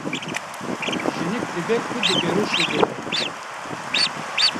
Jinik dibe ku di beroşê de be.